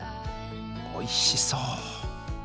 おいしそう。